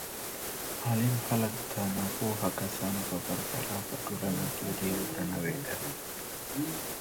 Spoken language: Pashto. عالم خلګ د ناپوهه کسانو په پرتله په ټولنه کي ډېر درناوی لري.